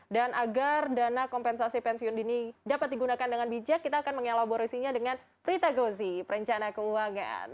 agar dana kompensasi pensiun dini dapat digunakan dengan bijak kita akan mengelaborasinya dengan prita gozi perencana keuangan